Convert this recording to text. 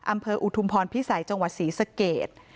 อำเภออุทุมพรพิสัยจังหวัดศรีสเกต